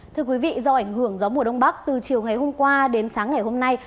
thưa quý vị do ảnh hưởng gió mùa đông bắc từ chiều ngày hôm qua đến sáng ngày hôm nay